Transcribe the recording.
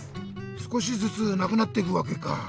すこしずつなくなっていくわけか。